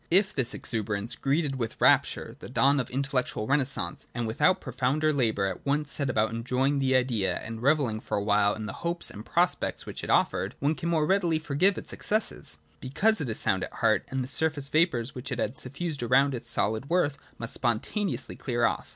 If this exuberance greeted with rapture the dawn of the intellectual renascence, and without pro founder labour at once set about enjoying the Idea and revelling for a while in the hopes and prospects which it offered, one can more readily forgive its excesses ; because it is sound at heart, and the surface vapours which it had suffused around its solid worth must spontaneously clear off.